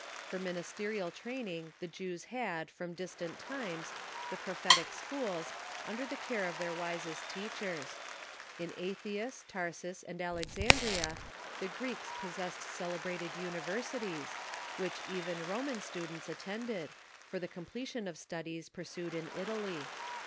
For ministerial training the Earl Attention J<^^vs had, from distant times, the prophetic schools, to Christian under the care of their wisest teachers. In Ath Learning ^^^^ Tarsus, and Alexandria the Greeks possessed celebrated universities, which even Roman students attended, for the completion of studies pursued in Italy.